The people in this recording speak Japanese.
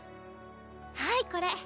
はいこれ。